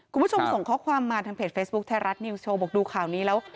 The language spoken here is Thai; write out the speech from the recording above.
คุณผู้ชมส่งข้อความมาทางเพจเฟซบุ๊คไทยรัฐนิวส์โชว์บอกดูข่าวนี้แล้ว